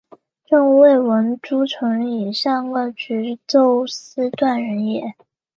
朕未闻诸臣以善恶直奏斯断人也！